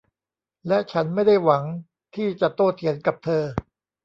และฉันไม่ได้หวังที่จะโต้เถียงกับเธอ